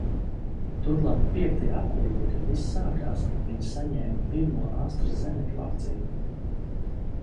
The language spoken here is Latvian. Turklāt piektajā aprīlī, kad viss sākās, viņa saņēma pirmo Astra Zenek vakcīnu.